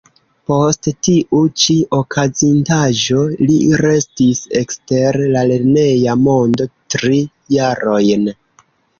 Post tiu ĉi okazintaĵo li restis ekster la lerneja mondo tri jarojn.